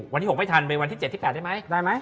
วันที่๖ไม่ทันไปวันที่๗ที่๘ได้ไหม